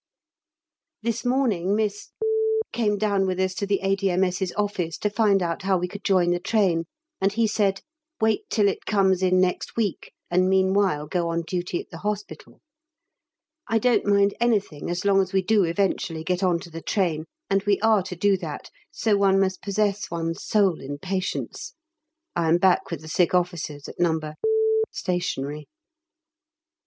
This morning Miss came down with us to the A.D.M.S.'s Office to find out how we could join the train, and he said: "Wait till it comes in next week, and meanwhile go on duty at the Hospital." I don't mind anything as long as we do eventually get on to the train, and we are to do that, so one must possess one's soul in patience. I am back with the sick officers at No. Stationary.